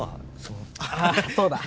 ああそうだ！